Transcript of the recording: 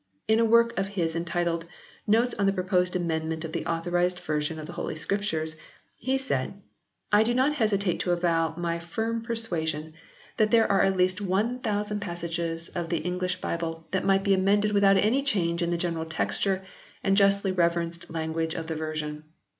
In a work of his entitled " Notes on the proposed Amendment of the Author ised Version of the Holy Scriptures," he said :" I do not hesitate to avow my firm persuasion that there 122 HISTORY OF THE ENGLISH BIBLE [OH, are at least one thousand passages of the English Bible that might be amended without any change in the general texture and justly reverenced language of the version."